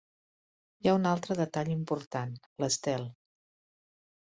Hi ha un altre detall important: l'estel.